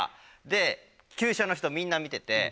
で厩舎の人みんな見てて。